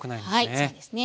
はいそうですね。